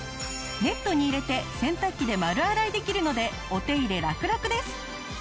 ネットに入れて洗濯機で丸洗いできるのでお手入れラクラクです。